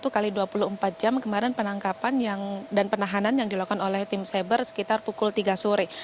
ya kemarin penangkapan dan penahanan yang dilakukan oleh tim saber sekitar pukul tiga sore